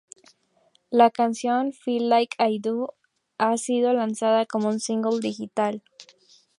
La canción "Feel Like I Do" ha sido lanzado como un single digital.